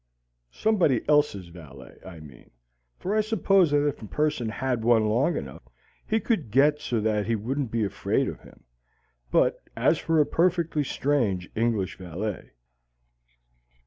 Somebody else's valet, I mean; for I suppose that if a person had one long enough, he could get so that he wouldn't be afraid of him. But as for a perfectly strange English valet!